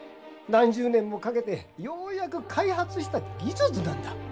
何十年もかけてようやく開発した技術なんだ。